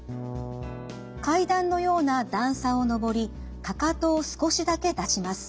階段のような段差を上りかかとを少しだけ出します。